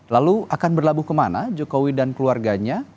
lalu akan berlabuh kemana jokowi dan keluarganya